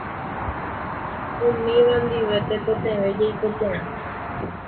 Umíva ndive tekotevẽ jaiko porã.